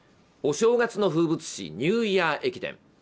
お正月の風物詩、ニューイヤー駅伝。